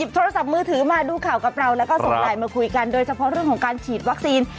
โทรศัพท์มือถือมาดูข่าวกับเราแล้วก็ส่งไลน์มาคุยกันโดยเฉพาะเรื่องของการฉีดวัคซีน